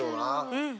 うん。